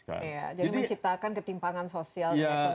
jadi menciptakan ketimpangan sosial dan ekonomi yang banyak